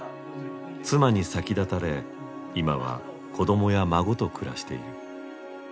妻に先立たれ今は子供や孫と暮らしている。